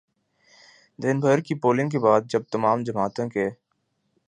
دن بھر کی پولنگ کے بعد جب تمام جماعتوں کے